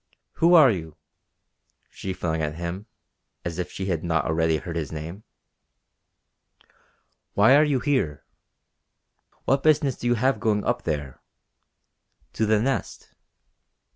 "Who are you?" she flung at him, as if she had not already heard his name. "Why are you here? What business have you going up there to the Nest?"